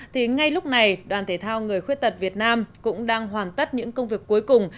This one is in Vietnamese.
thì ngay lúc này đoàn thể thao người khuyết tật việt nam cũng đang hoàn tất những công việc cuối cùng